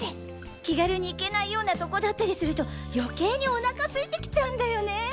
気軽に行けないようなトコだったりすると余計にお腹すいてきちゃうんだよね。